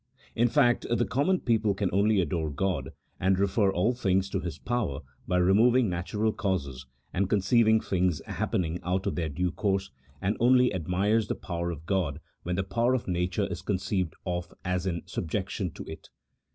In fact, the common people can only adore God, and refer all things to His power by removing natural causes, and conceiving things happening out of their due course, and only admires G 82 A THEOLOGICO POLITICAL TREATISE. [c HAP. VI. the power of G od when the power of nature is conceived of as in subjection to it.